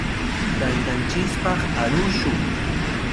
Taytanchikpaq arushun.